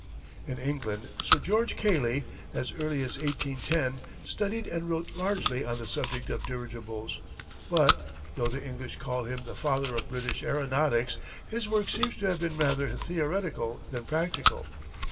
In England, Sir George Cayley, as early as 1810 studied and wrote largely on the subject of dirigibles but, though the English call him the "father of British aeronautics," his work seems to have been rather theoretical than practical.